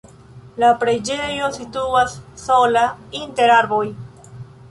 La preĝejo situas sola inter arboj.